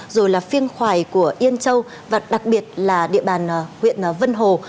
rồi là phiêng khoài của yên châu và đặc biệt là địa bàn huyện vân hồ